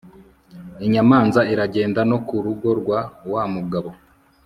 inyamanza iragenda no ku rugo rwa wa mugabo